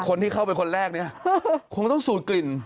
คนที่เข้าไปคนแรกเนี่ยคงต้องสูดกลิ่น